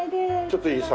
ちょっといい？